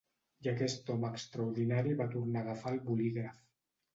I aquest home extraordinari va tornar a agafar el bolígraf.